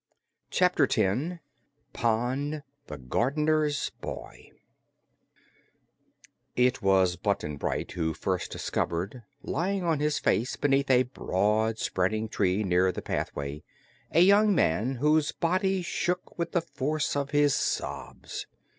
Chapter Ten Pon, the Gardener's Boy It was Button Bright who first discovered, lying on his face beneath a broad spreading tree near the pathway, a young man whose body shook with the force of his sobs.